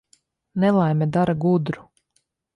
Nelaime dara gudru.